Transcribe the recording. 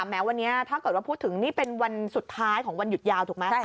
แม้วันนี้ถ้าเกิดว่าพูดถึงนี่เป็นวันสุดท้ายของวันหยุดยาวถูกไหม